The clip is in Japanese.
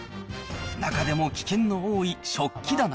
中でも危険の多い食器棚。